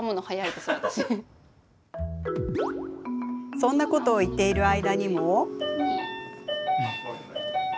そんなことを言っている間にも。